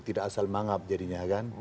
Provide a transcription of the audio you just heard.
tidak asal mangap jadinya kan